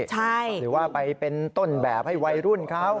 หรือว่าไปเป็นต้นแบบให้วัยรุ่นเขา